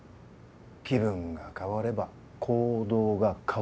気分が変われば行動が変わる。